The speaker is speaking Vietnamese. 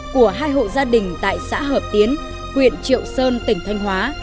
của hai hộ gia đình tại xã hợp tiến huyện triệu sơn tỉnh thanh hóa